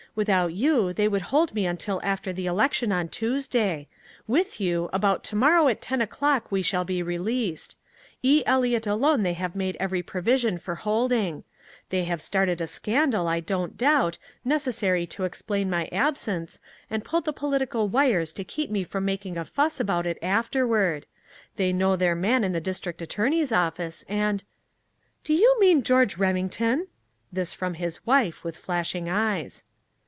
Without you, they would hold me until after the election on Tuesday. With you, about tomorrow at ten o'clock we shall be released. E. Eliot alone they have made every provision for holding. They have started a scandal, I don't doubt, necessary to explain my absence, and pulled the political wires to keep me from making a fuss about it afterward. They know their man in the district attorney's office, and " "Do you mean George Remington?" This from his wife, with flashing eyes.